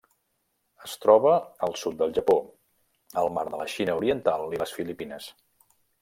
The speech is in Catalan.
Es troba al sud del Japó, el Mar de la Xina Oriental i les Filipines.